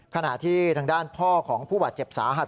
ขณะที่ทางด้านพ่อของผู้บาดเจ็บสาหัส